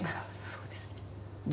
そうですね。